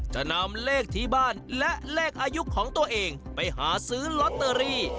จะนำเลขที่บ้านและเลขอายุของตัวเองไปหาซื้อลอตเตอรี่